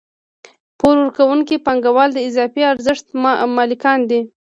پور ورکوونکي پانګوال د اضافي ارزښت مالکان دي